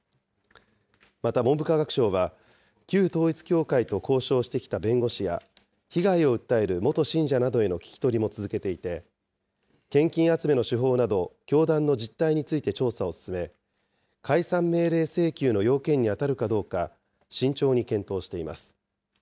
また、文部科学省は旧統一教会と交渉してきた弁護士や被害を訴える元信者などへの聞き取りも続けていて、献金集めの手法など、教団の実態について調査を進め、解散命令請求の要件に当たるかどうか、慎重に検討しています。